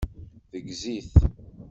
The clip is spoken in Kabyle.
Teggez-it.